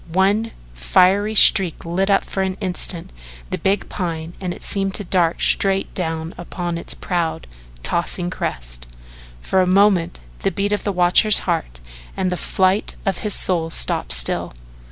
One fiery streak lit up for an instant the big Pine and seemed to dart straight down upon its proud, tossing crest. For a moment the beat of the watcher's heart and the flight of his soul stopped still.